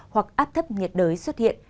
hoặc áp thấp nhiệt đới xuất hiện